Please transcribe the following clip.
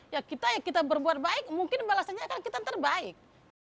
ya kita ya kita berbuat baik mungkin balasannya kan kita yang terbaik